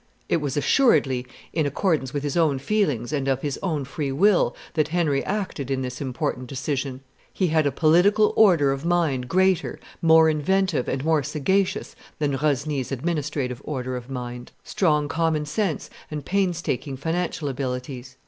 It was assuredly in accordance with his own feelings and of his own free will that Henry acted in this important decision; he had a political order of mind greater, more inventive, and more sagacious than Rosny's administrative order of mind, strong common sense and painstaking financial abilities.